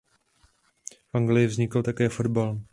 V Anglii vznikl také fotbal.